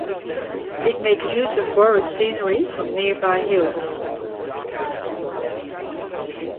It makes use of borrowed scenery from nearby hills.